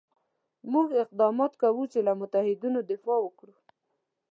موږ اقدامات کوو چې له متحدینو دفاع وکړو.